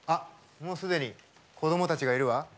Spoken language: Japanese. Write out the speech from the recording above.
もうすでに子どもたちがいるわ。